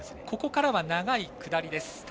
ここからは長い下り。